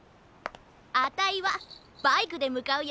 あたいはバイクでむかうよ。